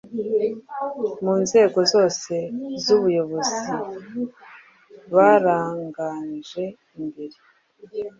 Mu nzego zose z’ubuyobozi baraganje imbere;